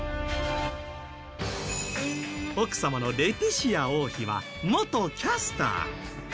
奥様のレティシア王妃は元キャスター。